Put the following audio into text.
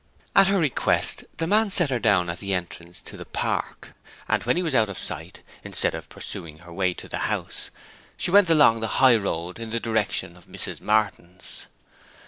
At her request the man set her down at the entrance to the park, and when he was out of sight, instead of pursuing her way to the House, she went along the high road in the direction of Mrs. Martin's.